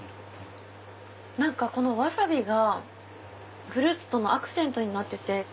ワサビがフルーツとのアクセントになってて。